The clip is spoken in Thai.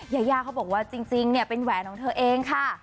ยายาเขาบอกว่าจริงเนี่ยเป็นแหวนของเธอเองค่ะ